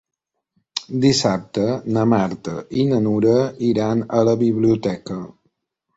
Dissabte na Marta i na Nura iran a la biblioteca.